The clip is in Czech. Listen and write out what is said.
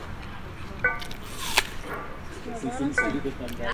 Dokážou-li přijmout odpovědnost, budou moci těžit z naší solidarity.